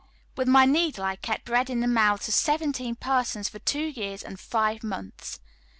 With my needle I kept bread in the mouths of seventeen persons for two years and five months.